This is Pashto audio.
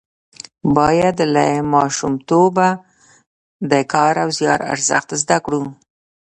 باید له ماشومتوبه د کار او زیار ارزښت زده کړو.